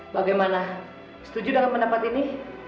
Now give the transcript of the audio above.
bagaimana setuju dengan pendapat ini